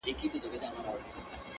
قرباني بې وسه پاتې کيږي تل,